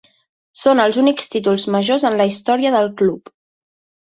Són els únics títols majors en la història del club.